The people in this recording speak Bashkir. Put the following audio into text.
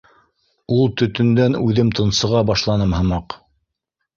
Ул төтөндән үҙем тонсоға ла башланым һымаҡ.